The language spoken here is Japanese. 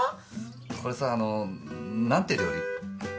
これさあの何て料理？